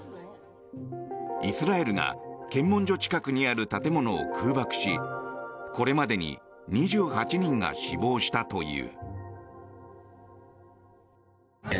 イスラエルが検問所近くにある建物を空爆しこれまでに２８人が死亡したという。